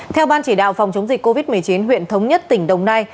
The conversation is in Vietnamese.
theo ban chỉ đạo phòng chống dịch covid một mươi chín huyện thống nhất tỉnh đồng nai